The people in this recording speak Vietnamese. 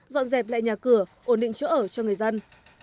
dọn dẹp lại nhà cửa ổn định chỗ ở cho người dân